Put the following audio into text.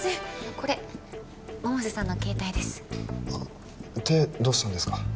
これ百瀬さんの携帯です手どうしたんですか？